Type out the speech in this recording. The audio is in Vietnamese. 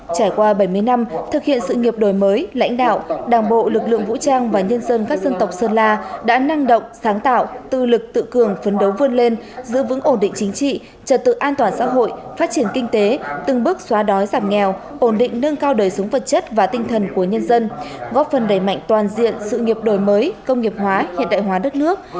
trải qua bảy mươi năm thực hiện sự nghiệp đổi mới lãnh đạo đảng bộ lực lượng vũ trang và nhân dân các dân tộc sơn la đã năng động sáng tạo tư lực tự cường phấn đấu vươn lên giữ vững ổn định chính trị trật tự an toàn xã hội phát triển kinh tế từng bước xóa đói giảm nghèo ổn định nâng cao đời súng vật chất và tinh thần của nhân dân góp phần đẩy mạnh toàn diện sự nghiệp đổi mới công nghiệp hóa hiện đại hóa đất nước